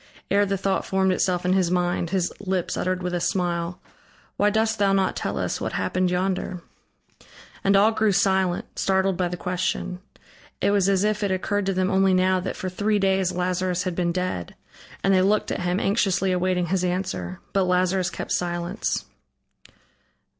Ere the thought formed itself in his mind, his lips uttered with a smile: "Why dost thou not tell us what happened yonder?" And all grew silent, startled by the question. It was as if it occurred to them only now that for three days Lazarus had been dead, and they looked at him, anxiously awaiting his answer. But Lazarus kept silence.